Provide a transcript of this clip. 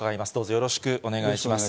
よろしくお願いします。